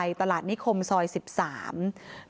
คุณภรรยาเกี่ยวกับข้าวอ่ะคุณภรรยาเกี่ยวกับข้าวอ่ะ